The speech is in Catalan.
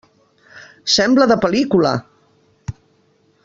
Sembla de pel·lícula!